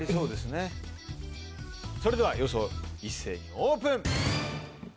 それでは予想一斉にオープン。